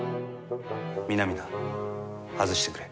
皆々外してくれ。